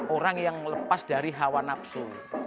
orang yang lepas dari hawa nafsu